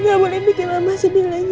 nggak boleh bikin mama sedih lagi